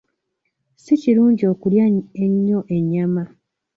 Si kirungi okulya ennyo ennyama.